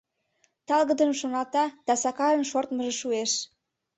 Талгыдыжым шоналта да Сакарын шортмыжо шуэш.